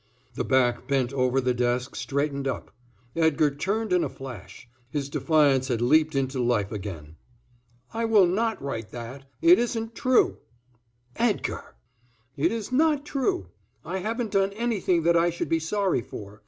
The back bent over the desk straightened up. Edgar turned in a flash. His defiance had leapt into life again. "I will not write that. It isn't true." "Edgar!" "It is not true. I haven't done anything that I should be sorry for.